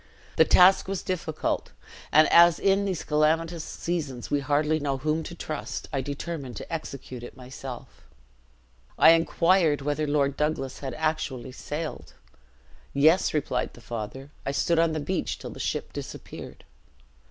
The task was difficult; and, as in these calamitous seasons we hardly know whom to trust, I determined to execute it myself.' "I inquired whether Lord Douglas had actually sailed. 'Yes,' replied the father; 'I stood on the beach till the ship disappeared.'"